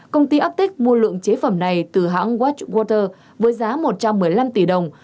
công ty arctic mua lượng chế phẩm này từ hãng watchwater với giá một trăm một mươi năm tỷ đồng